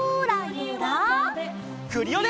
クリオネ！